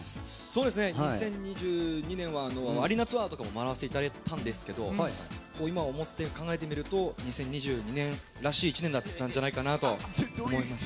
２０２２年はアリーナツアーとかも回らせていただいたんですが今思って考えてみると２０２２年らしい１年だったんじゃないかと思います。